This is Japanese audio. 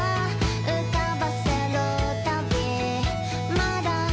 「浮かばせるたびまだ」